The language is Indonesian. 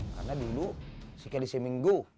karena dulu si kedisi minggu